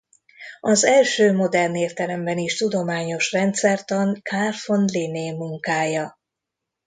Az első modern értelemben is tudományos rendszertan Carl von Linné munkája.